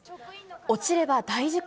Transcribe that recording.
落ちれば大事故。